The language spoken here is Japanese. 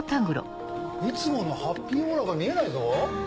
いつものハッピーオーラが見えないぞ？